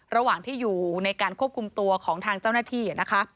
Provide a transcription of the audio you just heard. ระหว่างที่อยู่ในการควบคุมตัวของทางเจ้าหน้าที่นะคะ